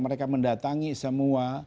mereka mendatangi semua